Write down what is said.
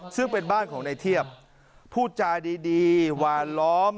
ซึ่งเป็นบ้านของในเทียบพูดจาดีหวานล้อม